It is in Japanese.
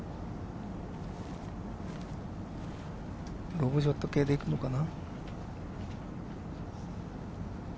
ロブショット系で行くのかな？